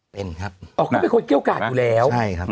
เป็นครับเขาเป็นคนเกี่ยวกากอยู่แล้ว